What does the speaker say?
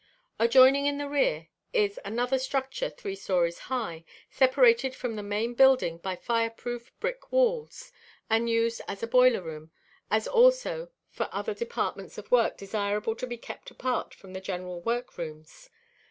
Adjoining, in the rear, is another structure three stories high, separated from the main building by fire proof brick walls, and used as a boiler room, as also for other departments of work desirable to be kept apart from the general work rooms.